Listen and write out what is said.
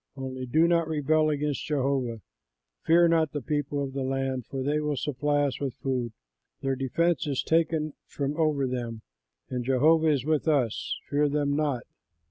Only do not rebel against Jehovah. Fear not the people of the land, for they will supply us with food. Their defense is taken away from over them, and Jehovah is with us; fear them not."